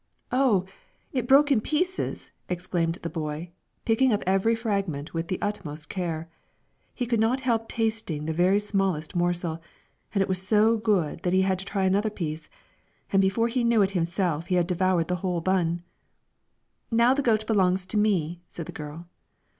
"Oh! it broke in pieces!" exclaimed the boy, picking up every fragment with the utmost care. He could not help tasting of the very smallest morsel, and it was so good that he had to try another piece, and before he knew it himself he had devoured the whole bun. "Now the goat belongs to me," said the girl.